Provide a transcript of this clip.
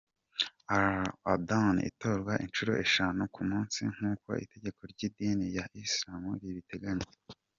Adhana itorwa inshuro eshanu ku munsi nk’uko itegeko ry’idini ya Islam ribiteganya.